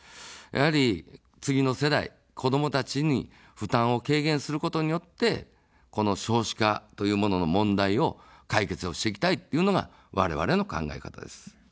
やはり、次の世代、子どもたちに負担を軽減することによって、この少子化というものの問題を解決をしていきたいというのがわれわれの考え方です。